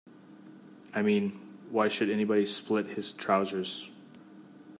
I mean, why should anybody split his trousers?